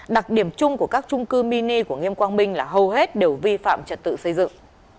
đặc điểm chung của các trung cư mini của nghiêm quang minh là hầu hết đều vi phạm trật tự xây dựng